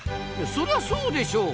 そりゃそうでしょう。